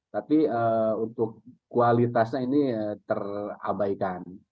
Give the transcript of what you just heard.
tapi untuk kualitasnya ini terabaikan